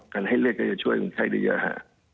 ทำให้เลือดก็จะช่วยในไคร่เยอะฮะ